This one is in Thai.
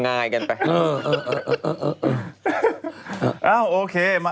งมง่ายกันไป